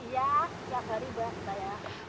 iya tiap hari bersih